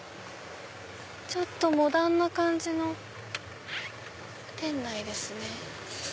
ちょっとモダンな感じの店内ですね。